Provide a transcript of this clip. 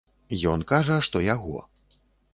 Ён кажа, што яго.